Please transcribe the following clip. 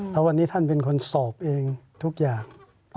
แล้ววันนี้ท่านเป็นคนสอบเองทุกอย่าง